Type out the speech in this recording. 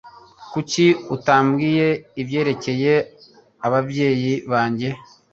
Kuki utambwiye ibyerekeye ababyeyi banjye?